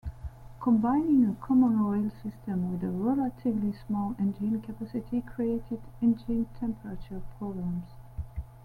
Combining a common-rail system with a relatively small engine capacity created engine temperature problems.